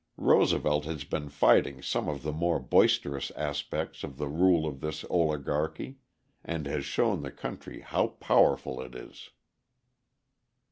Roosevelt has been fighting some of the more boisterous aspects of the rule of this oligarchy and has showed the country how powerful it is!